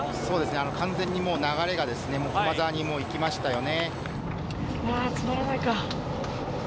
完全に流れが駒澤に行きましたよね。